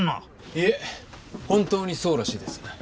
いえ本当にそうらしいです。